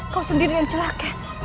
kau sendiri yang celaka